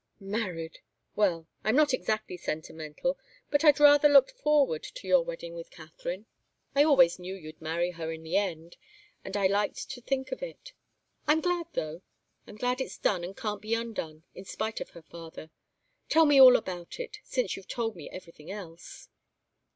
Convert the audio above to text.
Married! Well I'm not exactly sentimental, but I'd rather looked forward to your wedding with Katharine. I always knew you'd marry her in the end, and I liked to think of it. I'm glad, though I'm glad it's done and can't be undone, in spite of her father. Tell me all about it, since you've told me everything else."